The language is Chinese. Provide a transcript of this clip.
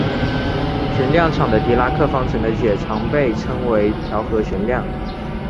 旋量场的狄拉克方程的解常被称为调和旋量。